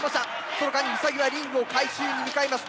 その間にウサギはリングを回収に向かいます。